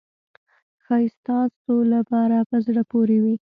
ښایي ستاسو لپاره په زړه پورې وي.